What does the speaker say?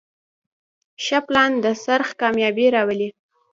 ښه پلان د خرڅ کامیابي راولي.